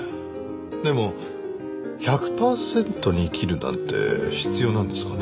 でも１００パーセントに生きるなんて必要なんですかね？